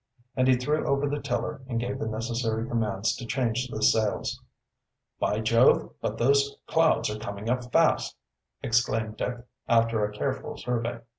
And he threw over the tiller and gave the necessary commands to change the sails. "By Jove, but those clouds are coming up fast!" exclaimed Dick, after a careful survey.